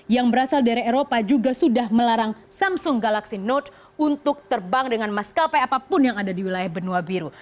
yang berasal dari eropa juga sudah melarang samsung galaxy note untuk terbang dengan maskapai apapun yang ada di wilayah benua biru